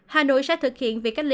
hà nội sẽ thực hiện việc cách ly